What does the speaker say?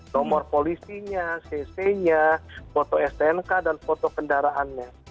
nomor polisinya cc nya foto stnk dan foto kendaraannya